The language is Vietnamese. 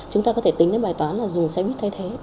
chúng ta có thể tính đến bài toán là dùng xe buýt thay thế